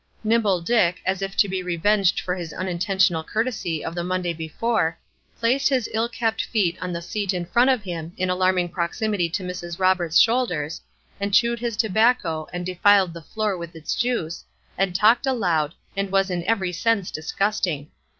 Nimble Dick, as if to be revenged for his unintentional courtesy of the Monday before, placed his ill kept feet on the seat in front of him, in alarming proximity to Mrs. Roberts' shoulders, and chewed his tobacco, and defiled the floor with its juice, and talked aloud, and was in every sense disgusting.